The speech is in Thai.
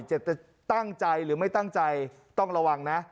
จะตั้งใจหรือไม่ตั้งใจต้องระวังนะ